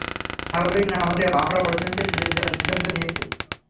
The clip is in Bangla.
স্বাভাবিক না হলেও, আমরা অর্জুনকে সুযোগ দেওয়ার স্বিদ্ধান্ত নিয়েছি।